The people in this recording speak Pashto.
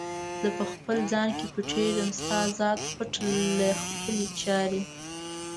زه په خپل ځان کې پټیږم، ستا ذات پټ له خپلي چارې